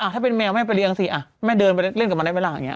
ถ้าเป็นแมวแม่ไปเลี้ยสิแม่เดินไปเล่นกับมันได้ไหมล่ะอย่างนี้